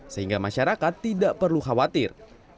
sehingga masyarakat tidak perlu khawatir